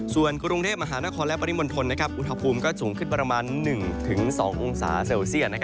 ส่วนกรุงเทพมหานครและปริมณฑลอุณหภูมิก็สูงขึ้นประมาณ๑๒องศาเซลเซียต